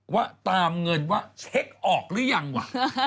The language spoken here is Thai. ว่าตามเงินว่าเช็คออกหรือยังว่ะ